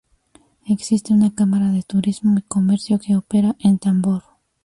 Existe una Cámara de Turismo y Comercio que opera en Tambor.